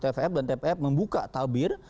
tvf dan tpf membuka tabir